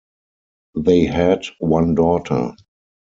They had one daughter.